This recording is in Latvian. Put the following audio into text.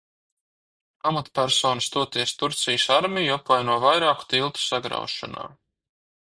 Amatpersonas toties Turcijas armiju apvaino vairāku tiltu sagraušanā.